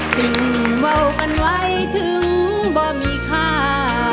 สิ่งเบากันไว้ถึงบ่มีค่า